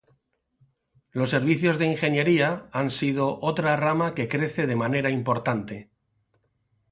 Los servicios de Ingeniería han sido otra rama que crece de manera importante.